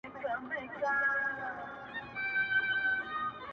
• په لومړۍ ورځ چي ځالۍ دي جوړوله ,